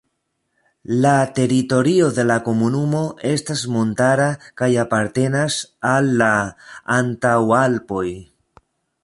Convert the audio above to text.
La teritorio de la komunumo estas montara kaj apartenas al la Antaŭalpoj.